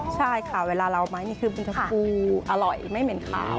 ใช่ค่ะเวลาเราไม้นี่คือเป็นชมพูอร่อยไม่เหม็นขาว